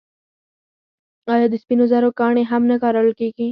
آیا د سپینو زرو ګاڼې هم نه کارول کیږي؟